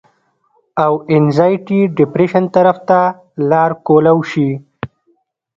او انزائټي ډپرېشن طرف ته لار کولاو شي